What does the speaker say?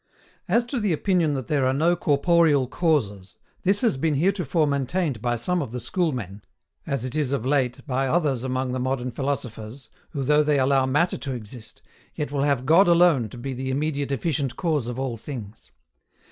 53. As to the OPINION THAT THERE ARE NO CORPOREAL CAUSES, this has been heretofore maintained by some of the Schoolmen, as it is of late by others among the modern philosophers, who though they allow Matter to exist, yet will have God alone to be the immediate efficient cause of all things.